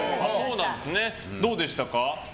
どうでしたか？